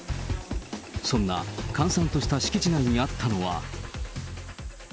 そんな閑散とした敷地内にあったのは。